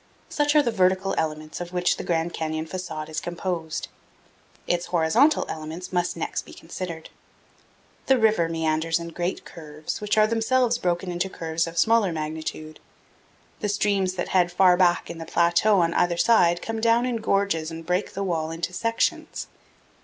Such are the vertical elements of which the Grand Canyon facade is composed. Its horizontal elements must next be considered. The river meanders in great curves, which are themselves broken into curves of smaller magnitude. The streams that head far back in the plateau on either side come down in gorges and break the wall into sections.